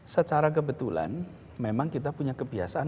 secara kebetulan memang kita punya kebiasaan